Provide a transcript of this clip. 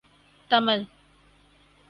Tamil